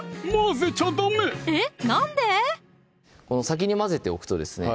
先に混ぜておくとですね